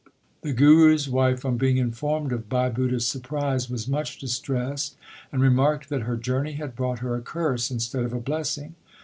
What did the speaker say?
The Guru s wife, on being informed of Bhai Budha s surprise, was much dis tressed, and remarked that her journey had brought her a curse instead of a blessing.